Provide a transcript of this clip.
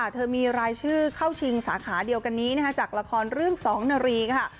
เธอมีรายชื่อเข้าชิงสาขาเดียวกันนี้จากละครเรื่องสองนารีค่ะ